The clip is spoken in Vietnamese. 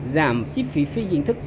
giảm chi phí phi chính thức